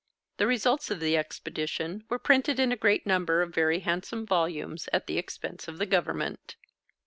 The results of the Expedition were printed in a great number of very handsome volumes at the expense of the Government.